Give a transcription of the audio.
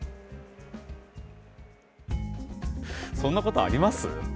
そんなことあります？